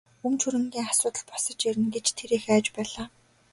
Өмч хөрөнгийн асуудал босож ирнэ гэж тэр их айж байлаа.